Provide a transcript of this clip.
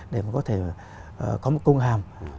để có thể có một công hàm